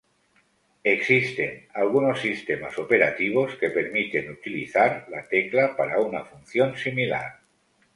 Existen algunos sistemas operativos que permiten utilizar la tecla para una función similar.